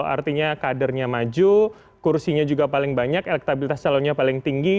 artinya kadernya maju kursinya juga paling banyak elektabilitas calonnya paling tinggi